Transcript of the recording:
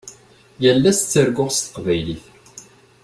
Yal ass ttarguɣ s teqbaylit.